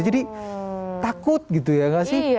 jadi takut gitu ya gak sih